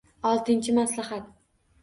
Oltinchi maslahat.